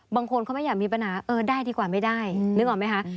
บางคนเขาไม่อยากมีปัญหาเออได้ดีกว่าไม่ได้นึกออกไหมคะ